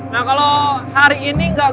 nah kalo hari ini gak gugup dong